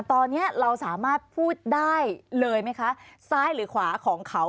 ตอนนี้เราสามารถพูดได้เลยไหมคะซ้ายหรือขวาของเขา